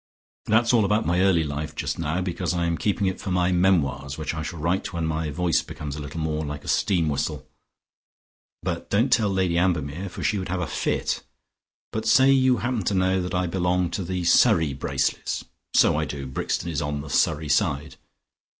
That's all about my early life just now, because I am keeping it for my memoirs which I shall write when my voice becomes a little more like a steam whistle. But don't tell Lady Ambermere, for she would have a fit, but say you happen to know that I belong to the Surrey Bracelys. So I do; Brixton is on the Surrey side.